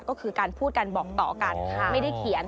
ก็คือการพูดกันบอกต่อกันไม่ได้เขียน